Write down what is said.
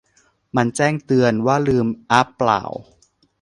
มันแจ้งเตือน ว่าลืมอ๊ะเปล่า